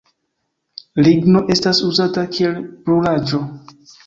Ligno estas uzata kiel brulaĵo.